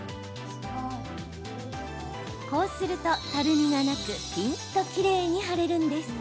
こうすると、たるみがなくピンときれいに貼れるんです。